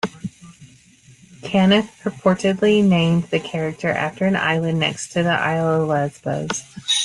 Caniff purportedly named the character after an island next to the isle of Lesbos.